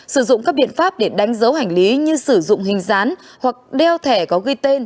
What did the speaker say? sử dụng các biện pháp để đánh dấu hành lý như sử dụng hình dán hoặc đeo thẻ có ghi tên